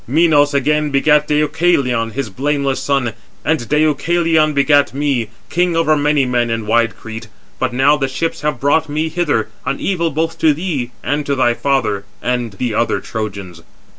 Minos again begat Deucalion, his blameless son, and Deucalion begat me, king over many men in wide Crete. But now the ships have brought me hither, an evil both to thee and to thy father, and the other Trojans."